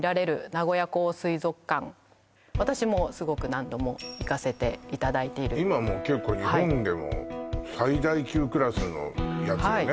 私もすごく何度も行かせていただいている今もう結構日本でもはい最大級クラスのやつよね？